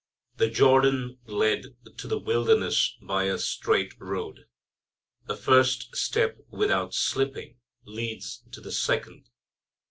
The Jordan led to the Wilderness by a straight road. A first step without slipping leads to the second.